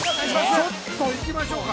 ◆ちょっと行きましょうか。